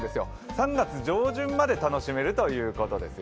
３月上旬まで楽しめるということですよ。